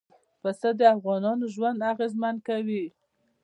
پسه د افغانانو ژوند اغېزمن کوي.